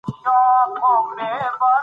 انا غوښتل چې له ماشوم څخه پنا شي.